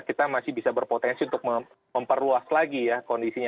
kita masih bisa berpotensi untuk memperluas lagi ya kondisinya